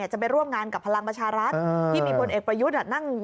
จะไปร่วมงานกับพลังประชารัฐที่มีพลเอกประยุทธ์นั่ง